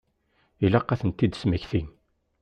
Ilaq ad tent-id-tesmekti.